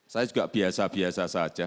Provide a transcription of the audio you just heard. saya juga biasa biasa saja